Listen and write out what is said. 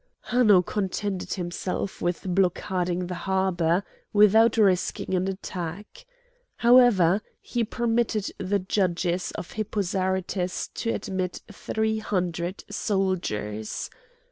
Hanno contented himself with blockading the harbour without risking an attack. However, he permitted the judges of Hippo Zarytus to admit three hundred soldiers.